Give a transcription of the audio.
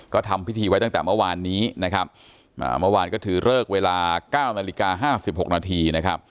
ก็ทำพิธีไว้ตั้งแต่เมื่อวานนี้เมื่อวานก็ถือเริกเวลา๙นาฬิกา๕๖นาที